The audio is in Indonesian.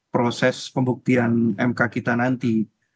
proses pembuktian mk kita nanti